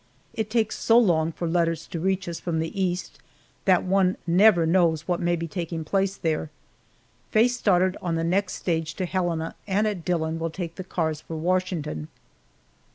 It takes so long for letters to reach us from the East that one never knows what may be taking place there. Faye started on the next stage to Helena and at Dillon will take the cars for Washington.